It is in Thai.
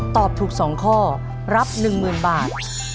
ตอบถูก๒ข้อรับ๑๐๐๐บาท